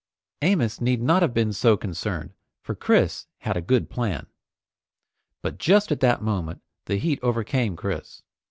Amos need not have been so concerned, for Chris had a good plan. But just at that moment the heat overcame Chris.